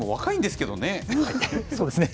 そうですね。